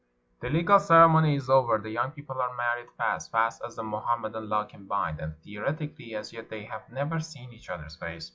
The legal ceremony is over; the young people are married fast, fast as the Mohammedan law can bind. And, theoretically, as yet they have never seen each other's face.